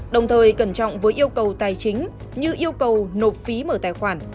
đồng thời cẩn trọng với yêu cầu tài chính như yêu cầu nộp phí mở tài khoản